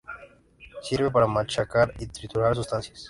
Sirve para machacar y triturar sustancias.